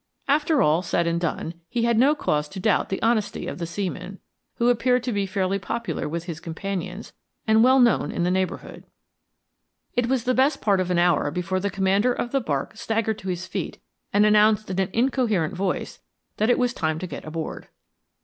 After all said and done, he had no cause to doubt the honesty of the seaman, who appeared to be fairly popular with his companions and well known in the neighborhood. It was the best part of an hour before the commander of the barque staggered to his feet and announced in an incoherent voice that it was time to get aboard.